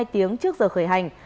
trước giờ khởi hành